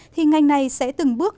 thì ngành này sẽ từng bước